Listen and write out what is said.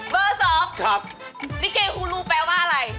เบอร์๒ครับนี่เก่งฮูรูแปลว่าอะไร